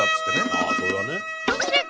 ああそれはね。